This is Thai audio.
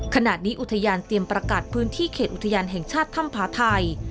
ขณะนี้อุทยานเตรียมประกาศพื้นที่เขตอุทยานแห่งชาติถ้ำผาไทย